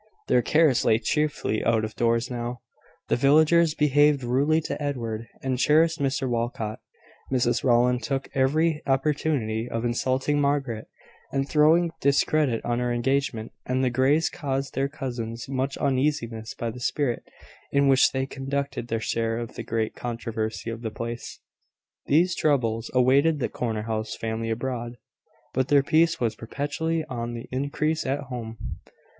Their cares lay chiefly out of doors now: the villagers behaved rudely to Edward, and cherished Mr Walcot; Mrs Rowland took every opportunity of insulting Margaret, and throwing discredit on her engagement; and the Greys caused their cousins much uneasiness by the spirit, in which they conducted their share of the great controversy of the place. These troubles awaited the corner house family abroad; but their peace was perpetually on the increase at home.